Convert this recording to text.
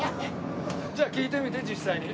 じゃあ聞いてみて実際に。